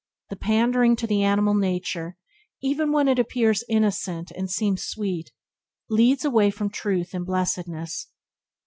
The pandering to the animal nature, even when it appears innocent and seems sweet, leads away from truth and blessedness.